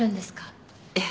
ええ。